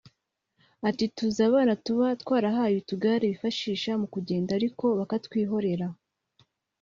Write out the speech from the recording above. Ati “Tuzi abana tuba twarahaye utugare bifashisha mu kugenda ariko bakatwihorera